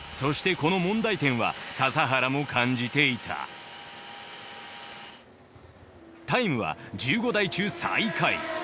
この問題点は笹原も感じていたタイムは１５台中最下位。